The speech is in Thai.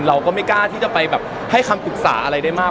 เราก็ไม่กล้าที่จะไปแบบให้คำปรึกษาอะไรได้มาก